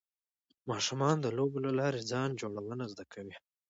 ماشومان د لوبو له لارې ځان جوړونه زده کوي.